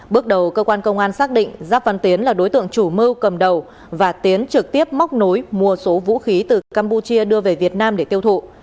bước đầu cơ quan công an xác định giáp văn tiến là đối tượng chủ mưu cầm đầu và tiến trực tiếp móc nối mua số vũ khí từ campuchia đưa về việt nam để tiêu thụ